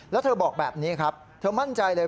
แล้วเธอบอกแบบนี้ครับเธอมั่นใจเลย